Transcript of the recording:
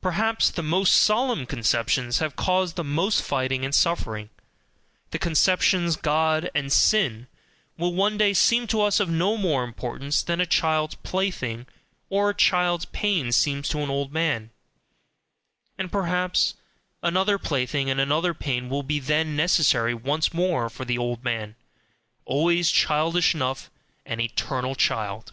Perhaps the most solemn conceptions that have caused the most fighting and suffering, the conceptions "God" and "sin," will one day seem to us of no more importance than a child's plaything or a child's pain seems to an old man; and perhaps another plaything and another pain will then be necessary once more for "the old man" always childish enough, an eternal child!